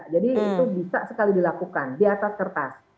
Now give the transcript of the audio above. jadi itu bisa sekali dilakukan di atas kertas